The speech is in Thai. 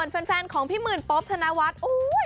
ส่วนแฟนของพี่หมื่นป๊อบธนาวัฒน์